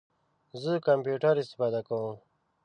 زه کمپیوټر استفاده کوم